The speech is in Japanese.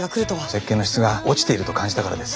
石けんの質が落ちていると感じたからです。